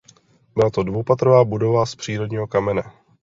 Byla to dvoupatrová budova z přírodního kamene.